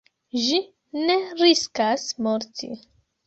Ĝi ne riskas morti.